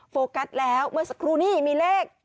โฟกัสแล้วเมื่อสักครู่นี้มีเลข